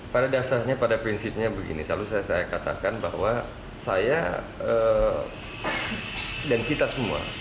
pada dasarnya pada prinsipnya begini selalu saya katakan bahwa saya dan kita semua